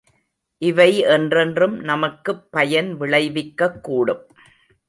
இவை என்றென்றும் நமக்குப் பயன் விளைக்கக் கூடும்.